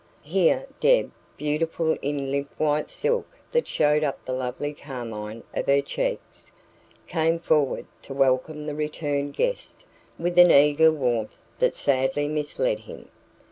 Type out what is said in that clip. Here Deb, beautiful in limp white silk that showed up the lovely carmine of her cheeks, came forward to welcome the returned guest with an eager warmth that sadly misled him.